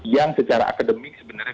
yang secara akademik sebenarnya